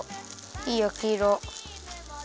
いいやきいろ。